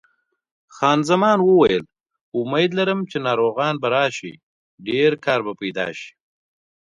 خان زمان وویل: امید لرم چې ناروغان به راشي، ډېر کار به پیدا شي.